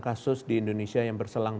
kasus di indonesia yang berselang